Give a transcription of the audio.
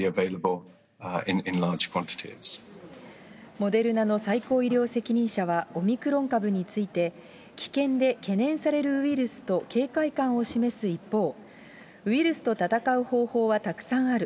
モデルナの最高医療責任者はオミクロン株について、危険で懸念されるウイルスと警戒感を示す一方、ウイルスと闘う方法はたくさんある。